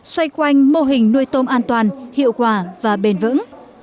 xoay quanh mô hình nuôi tôm an toàn hiệu quả và bền vững